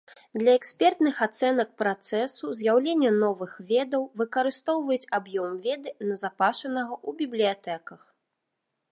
Для экспертных ацэнак працэсу з'яўлення новых ведаў выкарыстоўваюць аб'ём веды, назапашанага ў бібліятэках.